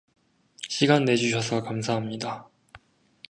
시간 내 주셔서 감사합니다.